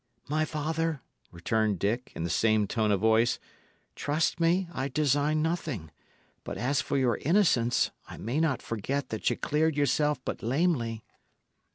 "My father," returned Dick, in the same tone of voice, "trust me, I design nothing; but as for your innocence, I may not forget that ye cleared yourself but lamely."